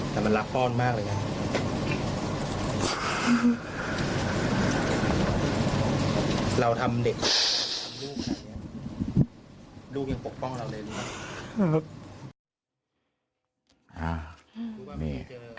ลูกยังปกป้องเราเลย